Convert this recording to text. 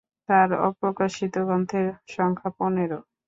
তার অপ্রকাশিত গ্রন্থের সংখ্যা পনেরো।